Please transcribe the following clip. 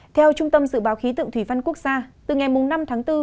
theo trung tâm dự báo khí tượng thủy văn quốc gia từ ngày năm tháng bốn